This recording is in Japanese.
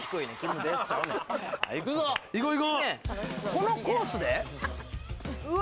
このコースで？